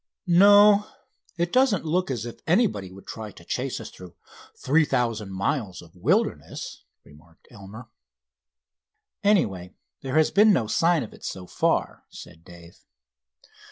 "No, it doesn't look as if anybody would try to chase us through three thousand miles of wilderness," remarked Elmer. "Anyway, there has been no sign of it so far," said Dave.